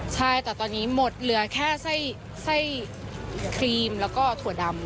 ใช่แต่ตอนนี้หมดเหลือแค่ไส้ครีมแล้วก็ถั่วดำ